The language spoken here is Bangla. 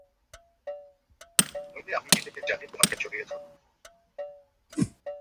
নইলে আমি নিজেকে জ্বালিয়ে তোমাকে জড়িয়ে ধরব।